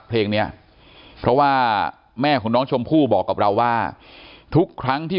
เพลงเนี้ยเพราะว่าแม่ของน้องชมพู่บอกกับเราว่าทุกครั้งที่